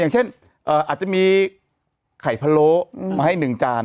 อย่างเช่นอาจจะมีไข่พะโล้มาให้๑จาน